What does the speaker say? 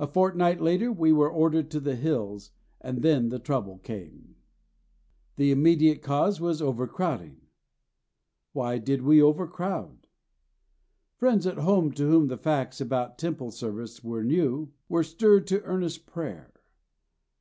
A fortnight later we were ordered to the hills, and then the trouble came. The immediate cause was overcrowding. Why did we overcrowd? Friends at home to whom the facts about Temple service were new, were stirred to earnest prayer.